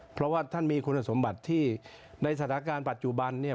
เพราะว่าท่านมีคุณสมบัติที่ในสถานการณ์ปัจจุบันเนี่ย